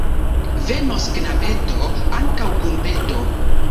Venos knabeto ankaŭ kun peto.